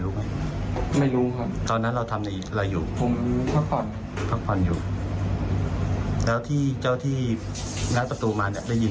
ได้ยินตอนสุดท้ายก่อนจะเข้า